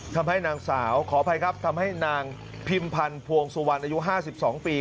ทำให้นางสาวขออภัยครับทำให้นางพิมพันธ์ภวงสุวรรณอายุ๕๒ปี